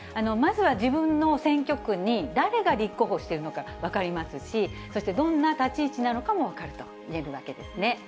まずは自分の選挙区に誰が立候補してるのか分かりますし、そして、どんな立ち位置なのかも分かるといえるわけですね。